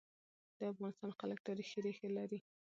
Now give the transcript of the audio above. د افغانستان خلک تاریخي ريښه لري.